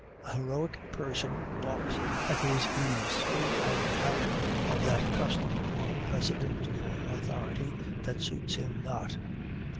A heroic person walks at his ease through and out of that custom or precedent or authority that suits him not.